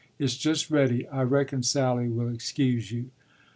It's just ready. I reckon Sally will excuse you.